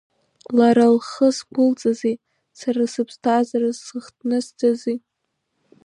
Лара лхы зқәылҵази, сара сыԥсҭазаара зыхҭнысҵази…